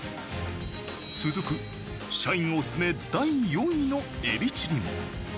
続く社員オススメ第４位のエビチリも。